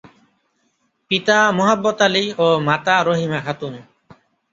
পিতা মোহাববত আলী ও মাতা রহিমা খাতুন।